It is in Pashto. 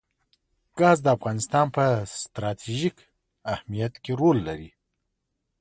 ګاز د افغانستان په ستراتیژیک اهمیت کې رول لري.